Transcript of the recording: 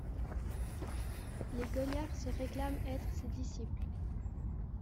Les Goliards se réclament être ses disciples.